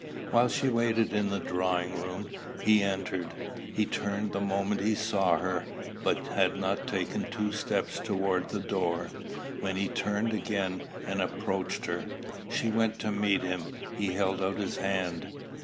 While she waited in the drawing room, he entered. He turned the moment he saw her, but had not taken two steps towards the door, when he turned again, and approached her. She went to meet him. He held out his hand.